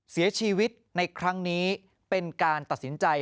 เสียชีวิตในครั้งนี้เป็นการตัดสินใจ